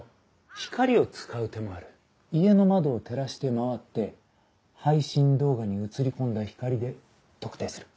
光を使う手もある家の窓を照らして回って配信動画に映り込んだ光で特定する。